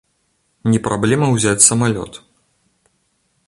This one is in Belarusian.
Не праблема ўзяць самалёт.